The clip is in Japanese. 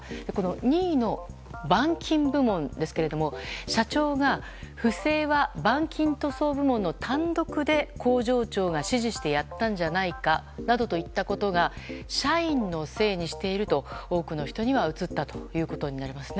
２位の、板金部門ですが社長が、不正は板金塗装部門の単独で工場長が指示してやったんじゃないかなどと言ったことが社員のせいにしていると多くの人には映ったということになりますね